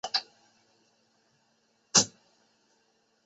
我们该走了